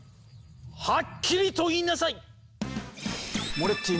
はっきりと言いなさい！